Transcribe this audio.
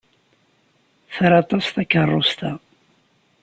Tra aṭas takeṛṛust-a.